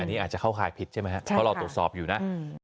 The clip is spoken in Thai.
อันนี้อาจจะเข้าข่ายผิดใช่ไหมครับเพราะเราตรวจสอบอยู่นะ